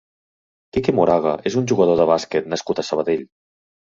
Quique Moraga és un jugador de bàsquet nascut a Sabadell.